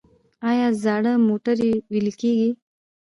آیا زاړه موټرې ویلې کیږي؟